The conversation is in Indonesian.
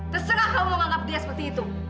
terserah allah menganggap dia seperti itu